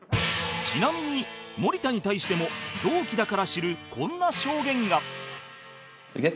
ちなみに森田に対しても同期だから知るこんな証言が